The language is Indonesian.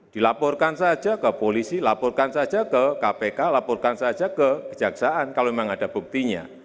dilaporkan saja ke polisi laporkan saja ke kpk laporkan saja ke kejaksaan kalau memang ada buktinya